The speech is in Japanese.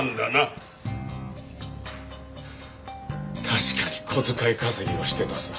確かに小遣い稼ぎはしてたさ。